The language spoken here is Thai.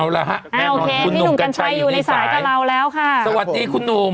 เอาละฮะโอเคพี่หนุ่มกัญชัยอยู่ในสายกับเราแล้วค่ะสวัสดีคุณหนุ่ม